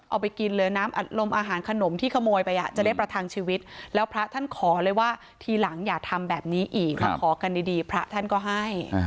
เอาไปกินเหลือน้ำอัดลมอาหารขนมที่ขโมยไปจะได้ประทังชีวิตแล้วพระท่านขอเลยว่าทีหลังอย่าทำแบบนี้อีกมาขอกันดีพระท่านก็ให้